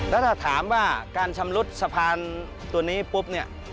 แล้วถ้าถามว่าการชำรุดสะพานตัวนี้ปุ๊บเนี่ย